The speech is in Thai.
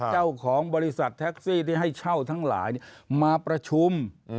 เจ้าของบริษัทแท็กซี่ที่ให้เช่าทั้งหลายมาประชุม